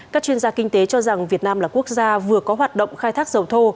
các chuyên gia kinh tế cho rằng việt nam là quốc gia vừa có hoạt động khai thác dầu thô